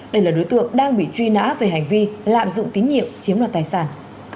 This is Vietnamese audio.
đây là đối tượng đang bị truy nã về hành vi lạm dụng tín nhiệm chiếm đoạt tài sản